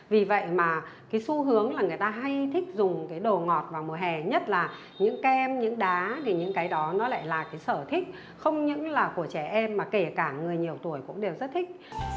vì vậy mà cái xu hướng là người ta hay thích dùng cái đồ ngọt vào mùa hè nhất là những kem những đá thì những cái đó nó lại là cái sở thích không những là của trẻ em mà kể cả người nhiều tuổi cũng đều rất thích